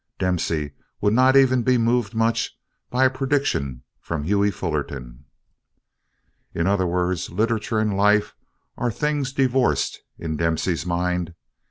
Dempsey would not even be moved much by a prediction from Hughie Fullerton. In other words literature and life are things divorced in Dempsey's mind.